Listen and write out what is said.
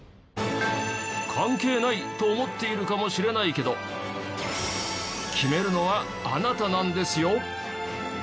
関係ないと思っているかもしれないけど決めるのはあなたなんですよ？